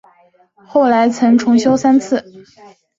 后来曾重修三次。